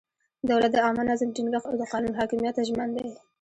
دولت د عامه نظم ټینګښت او د قانون حاکمیت ته ژمن دی.